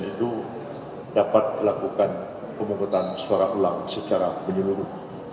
itu dapat dilakukan pemungutan suara ulang secara menyeluruh